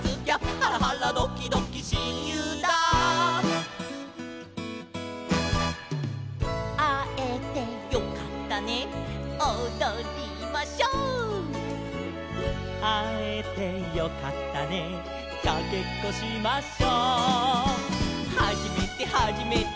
「ハラハラドキドキしんゆうだ」「あえてよかったねおどりましょう」「あえてよかったねかけっこしましょ」「はじめてはじめて」